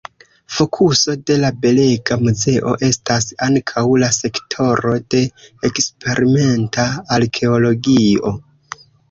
Fokuso de la belega muzeo estas ankaŭ la sektoro de eksperimenta arkeologio.